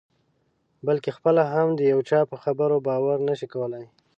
بلکې خپله هم د چا په خبرو باور نه شي کولای.